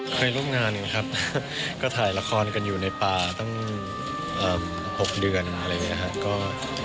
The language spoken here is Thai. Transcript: เคยร่วมงานนะครับก็ถ่ายละครกันอยู่ในป่าตั้ง๖เดือนอะไรอย่างนี้ครับ